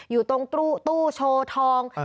อยู่ตรงตู้โชว์ทอง